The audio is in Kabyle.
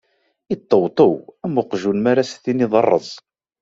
Iṭṭewṭew am uqjun mi ara s tiniḍ: ṛṛeẓ!